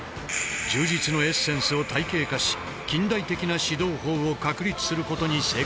柔術のエッセンスを体系化し近代的な指導法を確立することに成功した。